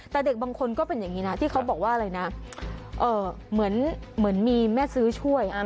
แต่เด็กบางคนก็เป็นอย่างนี้นะที่เขาบอกว่าอะไรนะเหมือนมีแม่ซื้อช่วย